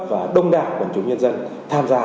và đông đảng quần chúng nhân dân tham gia